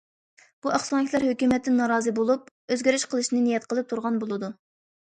بۇ ئاقسۆڭەكلەر ھۆكۈمەتتىن نارازى بولۇپ، ئۆزگىرىش قىلىشنى نىيەت قىلىپ تۇرغان بولىدۇ.